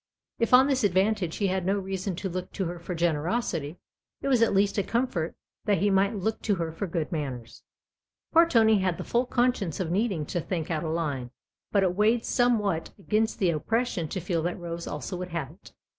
If on this advantage he had no reason to look to her for generosity, it was at least a comfort that he might look to her for good manners. Poor Tony had the full consciousness of needing to think out a line, but it weighed somewhat against that oppression to feel that Rose also would have it.